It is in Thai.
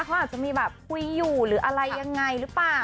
เขาอาจจะมีแบบคุยอยู่หรืออะไรยังไงหรือเปล่า